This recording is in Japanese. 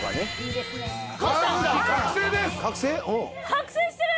覚醒してる！